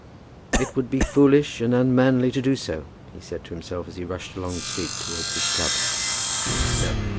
"It would be foolish and unmanly to do so," he said to himself as he rushed along the street towards his club. No!